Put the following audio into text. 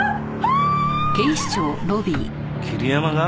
桐山が！？